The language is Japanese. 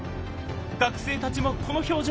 学生たちもこの表情。